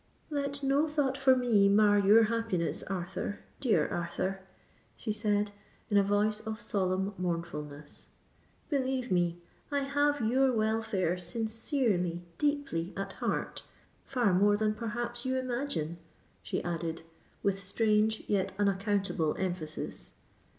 "Let no thought for me mar your happiness, Arthur—dear Arthur," she said, in a voice of solemn mournfulness. "Believe me, I have your welfare sincerely—deeply at heart—far more than perhaps you imagine," she added, with strange yet unaccountable emphasis.